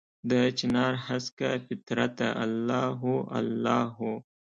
دچنارهسکه فطرته الله هو، الله هو